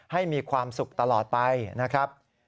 ให้มีความสุขตลอดไปนะครับ